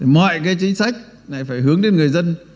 mọi cái chính sách lại phải hướng đến người dân